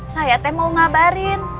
saya teh mau ngabarin